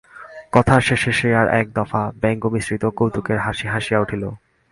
কথার শেষে সে আর একদফা ব্যঙ্গমিশ্রিত কৌতুকের হাসি হাসিয়া উঠিল।